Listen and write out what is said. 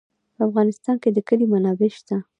په افغانستان کې د کلي منابع شته.